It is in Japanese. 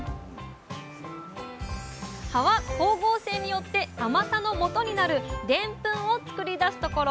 葉は光合成によって甘さのもとになるでんぷんを作り出すところ。